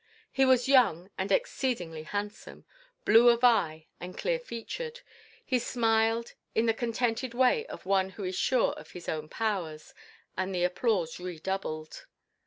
He was young and exceedingly handsome, blue of eye and clear featured; he smiled in the contented way of one who is sure of his own powers, and the applause redoubled.